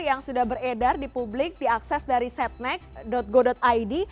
yang sudah beredar di publik diakses dari setnek go id